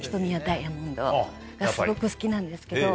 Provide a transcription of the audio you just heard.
すごく好きなんですけど。